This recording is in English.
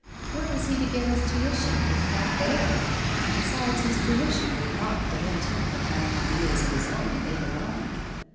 Where was he to get his tuition, if not there? Besides his tuition would not prevent him from having ideas of his own, later on.